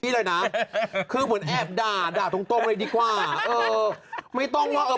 เลยนะคือเหมือนแอบด่าด่าตรงตรงเลยดีกว่าเออไม่ต้องว่าเออ